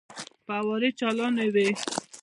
فوارې چالانې وې.